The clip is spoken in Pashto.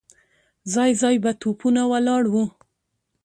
ځای ځای به توپونه ولاړ وو.